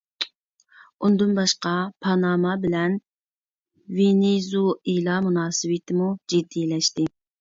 ئۇندىن باشقا، پاناما بىلەن ۋېنېزۇئېلا مۇناسىۋىتىمۇ جىددىيلەشتى.